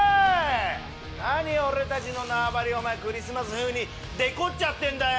何俺たちの縄張りをクリスマス風にデコっちゃってんだよ！